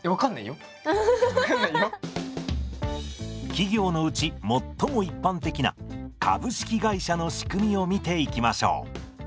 企業のうち最も一般的な株式会社の仕組みを見ていきましょう。